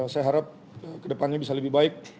saya harap kedepannya bisa lebih baik